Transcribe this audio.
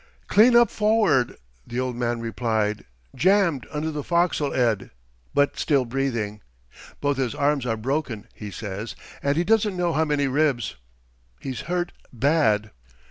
"Clean up for'ard," the old man replied "Jammed under the fo'c'sle head, but still breathing. Both his arms are broken, he says and he doesn't know how many ribs. He's hurt bad."